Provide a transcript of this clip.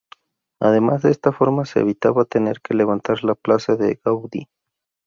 Además, de esta forma se evitaba tener que levantar la plaza de Gaudí.